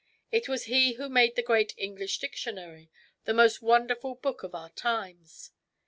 It was he who made the great Eng lish Dictionary^ the most wonderful book of our times.